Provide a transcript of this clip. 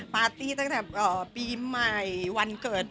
ปาร์ตี้เต็มตามปีใหม่วันเกิด